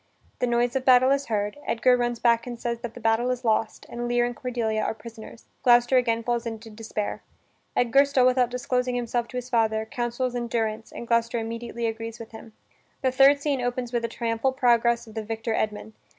The noise of battle is heard, Edgar runs back and says that the battle is lost and Lear and Cordelia are prisoners. Gloucester again falls into despair. Edgar, still without disclosing himself to his father, counsels endurance, and Gloucester immediately agrees with him. The third scene opens with a triumphal progress of the victor Edmund.